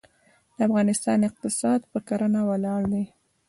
د افغانستان اقتصاد په کرنه ولاړ دی.